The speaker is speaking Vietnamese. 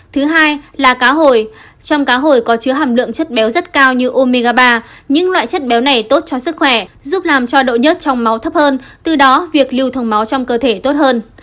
thứ hai là cá hồi trong cá hồi có chứa hàm lượng chất béo rất cao như omegaba những loại chất béo này tốt cho sức khỏe giúp làm cho độ nhớt trong máu thấp hơn từ đó việc lưu thông máu trong cơ thể tốt hơn